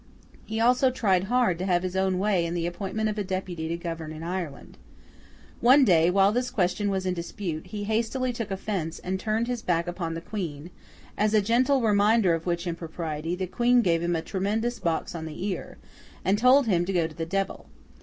He also tried hard to have his own way in the appointment of a deputy to govern in Ireland. One day, while this question was in dispute, he hastily took offence, and turned his back upon the Queen; as a gentle reminder of which impropriety, the Queen gave him a tremendous box on the ear, and told him to go to the devil.